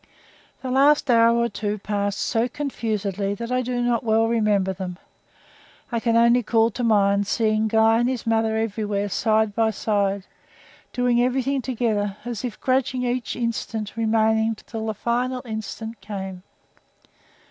The last hour or two passed so confusedly that I do not well remember them. I can only call to mind seeing Guy and his mother everywhere side by side, doing everything together, as if grudging each instant remaining till the final instant came.